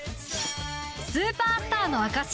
スーパースターの証し